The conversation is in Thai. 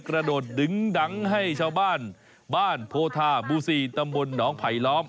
กระโดดดึงดังให้ชาวบ้านบ้านโภธาบูศีตมนต์น้องไผลล้อม